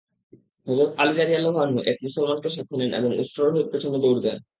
হযরত আলী রাযিয়াল্লাহু আনহু এক মুসলমানকে সাথে নেন এবং উষ্ট্ররোহীর পেছনে দৌড় দেন।